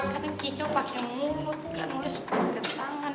kan kicau pake mulut gak nulis pake tangan ya